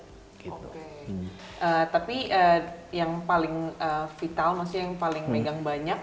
oke tapi yang paling vital maksudnya yang paling megang banyak